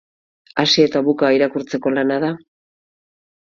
Hasi eta buka irakurtzeko lana da?